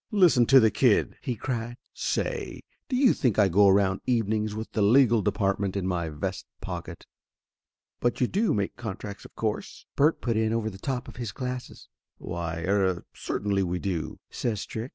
"Listen to the kid !" he cried. "Say do you think I go around evenings with the legal department in my vest pocket?" "But you do make contracts of course?" Bert put in over the top of his glasses. "Why er certainly we do!" says Strick.